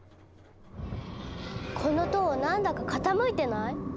この塔何だか傾いてない？